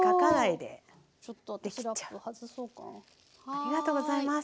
ありがとうございます。